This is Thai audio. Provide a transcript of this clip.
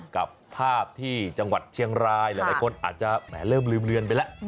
กับภาพที่จังหวัดเชียงรายหลายคนอาจจะแหมเริ่มลืมเลือนไปแล้ว